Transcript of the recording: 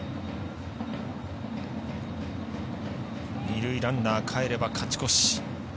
二塁ランナーかえれば勝ち越し。